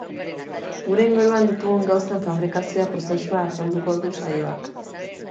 Gure inguruan ditugun gauzen fabrikazioa prozesua azalduko du saioak.